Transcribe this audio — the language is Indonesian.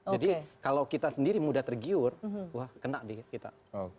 jadi kalau kita sendiri mudah tergiur wah kena di kita